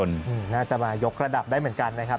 น่าจะมายกระดับได้เหมือนกันนะครับ